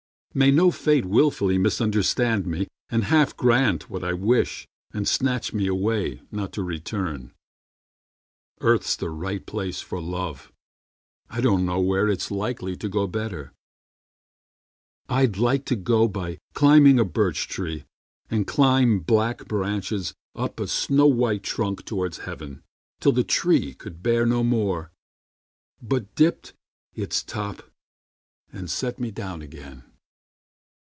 May no fate willfully misunderstand me And half grant what I wish and snatch me away Not to return. Earth's the right place for love: I don't know where it's likely to go better. I'd like to go by climbing a birch tree, And climb black branches up a snow white trunk Toward heaven, till the tree could bear no more, But dipped its top and set me down again.